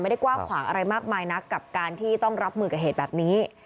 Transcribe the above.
กว้างขวางอะไรมากมายนักกับการที่ต้องรับมือกับเหตุแบบนี้